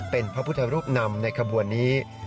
เป็นพระพุทธรูปนำในขบวนนี้